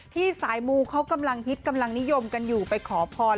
ที่สายมูเขากำลังฮิตกำลังนิยมกันอยู่ไปขอพร